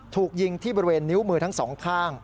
ถูกยิงที่บริเวณนิ้วมือทั้งสองข้าง